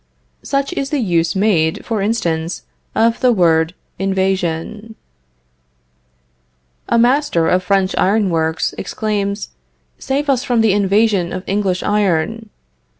Such is the use made, for instance, of the word invasion. A master of French iron works, exclaims: Save us from the invasion of English iron.